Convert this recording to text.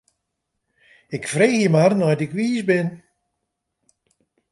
Ik freegje mar nei't ik wiis bin.